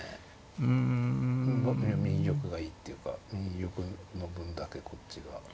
右玉がいいっていうか右玉の分だけこっちが。